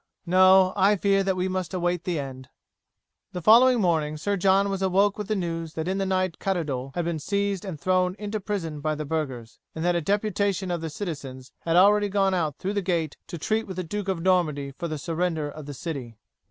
No; I fear that we must await the end." The following morning Sir John was awoke with the news that in the night Caddoudal had been seized and thrown into prison by the burghers, and that a deputation of citizens had already gone out through the gate to treat with the Duke of Normandy for the surrender of the city.